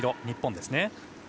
日本ですね。